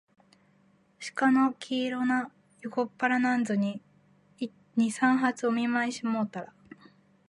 鹿の黄色な横っ腹なんぞに、二三発お見舞もうしたら、